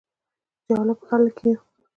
جالب خلک يو: